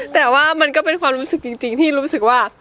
แต่ว่ามันก็เป็นความรู้สึกจริงที่รู้สึกว่า